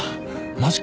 マジか？